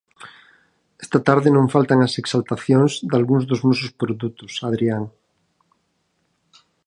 Esta tarde non faltan as exaltacións dalgúns dos nosos produtos, Adrián.